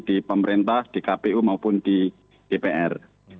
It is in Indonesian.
di pemerintah di kpu maupun di dpr